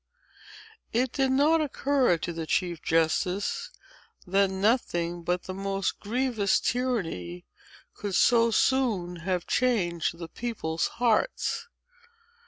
It did not occur to the chief justice, that nothing but the most grievous tyranny could so soon have changed the people's hearts.